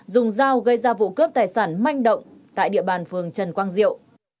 dùng dao gây ra vụ cướp tài sản manh động tại địa bàn phường trần quang diệu